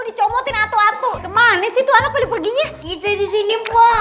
dicomotin atuh atuh kemana situ anaknya paginya kita disini